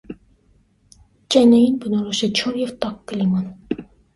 Ջեննեին բնորոշ է չոր և տաք կլիման։